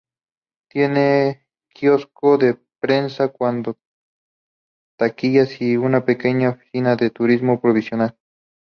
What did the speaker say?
Tiene quiosco de prensa, cuatro taquillas y una pequeña oficina de turismo provincial.